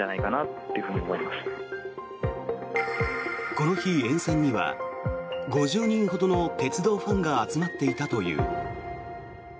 この日、沿線には５０人ほどの鉄道ファンが集まっていたという。